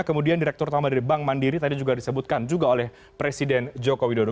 kemudian direktur utama dari bank mandiri tadi juga disebutkan juga oleh presiden joko widodo